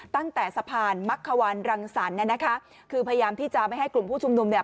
ตั้งแต่สะพานมักขวานรังสรรค์เนี่ยนะคะคือพยายามที่จะไม่ให้กลุ่มผู้ชุมนุมเนี่ย